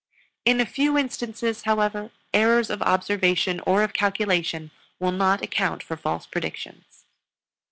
In a few instances, however, errors of observation or of calculation will not account for false predictions.